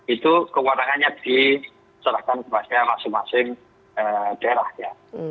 itu kewarangannya diserahkan kemasin masing masing daerahnya